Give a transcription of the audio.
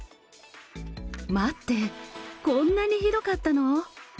待って、こんなにひどかったの？